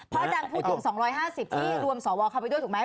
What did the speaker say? อาจารย์พูดถึง๒๕๐ที่รวมสวเข้าไปด้วยถูกไหม